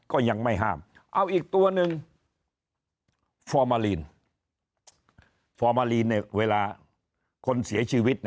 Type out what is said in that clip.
ก็ยังไม่ห้ามเอาอีกตัวหนึ่งฟอร์มาลีนฟอร์มาลีนเวลาคนเสียชีวิต